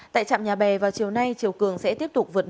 tại trạm nhà bè vào chiều nay chiều cường sẽ tiếp tục vượt